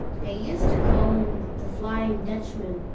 They used to call him The Flying Dutchman."